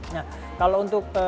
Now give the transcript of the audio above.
nah kalau untuk